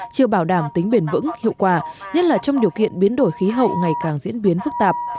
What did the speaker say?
chưa bảo đảm tính bền vững hiệu quả nhất là trong điều kiện biến đổi khí hậu ngày càng diễn biến phức tạp